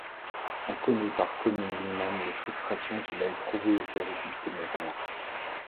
On connaît par Commynes lui-même les frustrations qu'il a éprouvées au service du Téméraire.